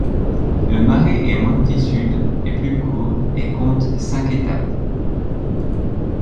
Le Mare e Monti Sud est plus court, et compte cinq étapes.